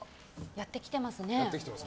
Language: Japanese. やってきてますね。